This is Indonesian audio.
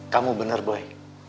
kamu bener boy